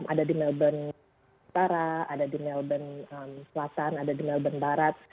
ada di melbourne utara ada di melbourne selatan ada di melbourne barat